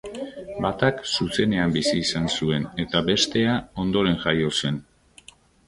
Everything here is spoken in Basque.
Batak zuzenean bizi izan zuen eta bestea ondoren jaio zen.